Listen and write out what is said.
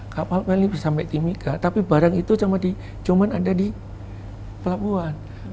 kapal pelni bisa sampai timika tapi barang itu cuma ada di pelabuhan